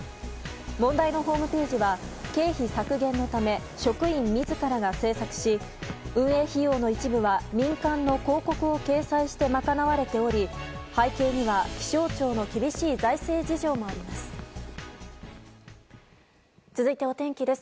問題のホームページは経費削減のため職員自らが制作し運営費用の一部は民間の広告を掲載してまかなわれており背景には気象庁の厳しい財政事情もあります。